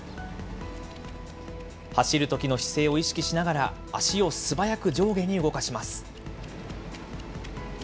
走るときの姿勢を意識しながら、足を素早く上下に動かします。